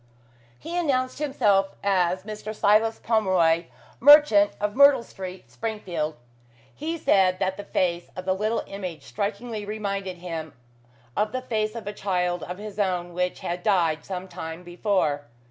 He announced himself as Mr. Silas Pomeroy, merchant, of Myrtle Street, Springfield. He said that the face of the little image strikingly reminded him of the face of a child of his own which had died some time before.